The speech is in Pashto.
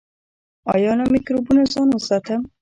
ایا له مکروبونو ځان وساتم؟